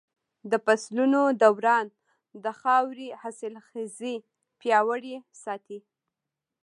د فصلونو دوران د خاورې حاصلخېزي پياوړې ساتي.